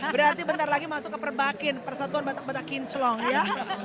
berarti bentar lagi masuk ke perbakin persatuan batak batak kinclong ya